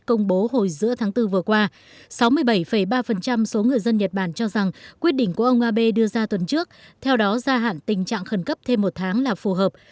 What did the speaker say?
công bố hồi giữa tháng bốn vừa qua sáu mươi bảy ba số người dân nhật bản cho rằng quyết định của ông abe đưa ra tuần trước theo đó gia hạn tình trạng khẩn cấp thêm một tháng là phù hợp